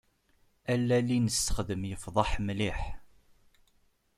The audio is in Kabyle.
Allal i nessexdem yefḍeḥ mliḥ.